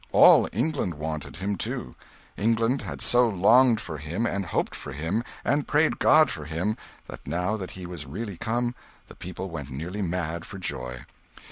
All England wanted him too. England had so longed for him, and hoped for him, and prayed God for him, that, now that he was really come, the people went nearly mad for joy.